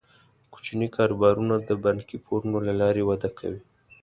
کوچني کاروبارونه د بانکي پورونو له لارې وده کوي.